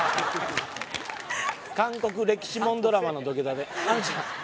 韓国歴史ものドラマの土下座で。